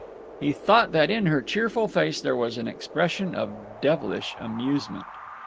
He thought that in her cheerful face there was an expression of devilish amusement.